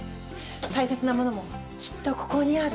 大切なモノもきっとここにある。